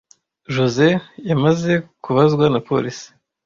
Josehl yamaze kubazwa na polisi.